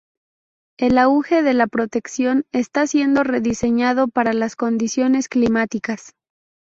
El auge de la protección está siendo rediseñado para las condiciones climáticas.